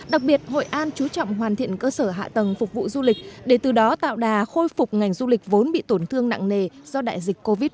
đặc biệt hội an chú trọng hoàn thiện cơ sở hạ tầng phục vụ du lịch để từ đó tạo đà khôi phục ngành du lịch vốn bị tổn thương nặng nề do đại dịch covid một mươi chín